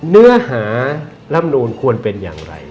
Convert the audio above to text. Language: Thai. เนื้อหารำนูลควรเป็นอย่างไร